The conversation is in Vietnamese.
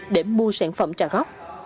để mua sản phẩm trả góp